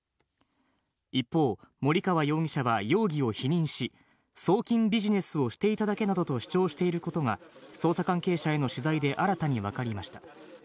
一方、森川容疑者は容疑を否認し、送金ビジネスをしていただけと主張していることが、捜査関係者への取材で新たに分かりました。